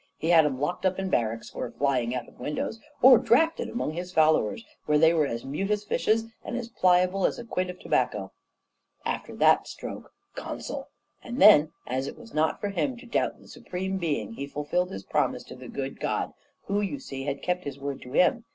he had 'em locked up in barracks, or flying out of windows, or drafted among his followers, where they were as mute as fishes and as pliable as a quid of tobacco. After that stroke consul! And then, as it was not for him to doubt the Supreme Being, he fulfilled his promise to the good God, who, you see, had kept His word to him.